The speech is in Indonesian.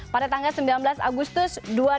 pada tanggal sembilan belas agustus dua ribu delapan belas